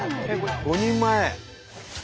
５人前！